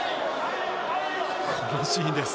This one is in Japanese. このシーンです。